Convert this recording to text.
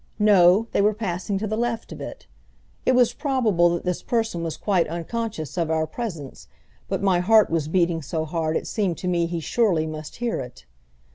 No, they were passing to the left of it. It was probable that this person was quite unconscious of our presence, but my heart was beating so hard it seemed to me he surely must hear it.